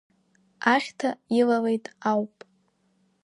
Ахьҭа илалеит ауп.